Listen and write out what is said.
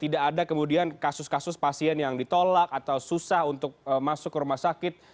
tidak ada kemudian kasus kasus pasien yang ditolak atau susah untuk masuk ke rumah sakit